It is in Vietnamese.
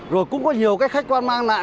rồi cũng có nhiều cái khách quan mang lại